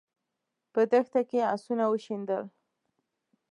په دښته کې آسونه وشڼېدل.